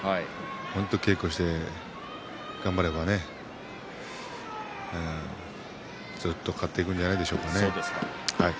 今場所、自信をつけて本当に稽古して頑張ればずっと勝っていくんじゃないでしょうかね。